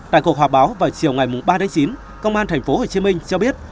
tại cuộc họp báo vào chiều ngày ba chín công an thành phố hồ chí minh cho biết